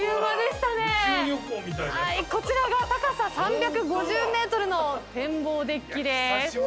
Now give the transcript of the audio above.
こちらが高さ３５０ｍの展望デッキです。